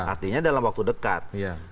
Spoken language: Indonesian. artinya dalam waktu dekat